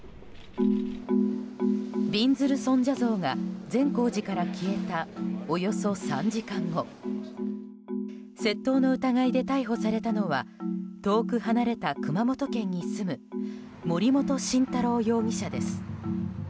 びんずる尊者像が善光寺から消えたおよそ３時間後窃盗の疑いで逮捕されたのは遠く離れた熊本県に住む森本晋太郎容疑者です。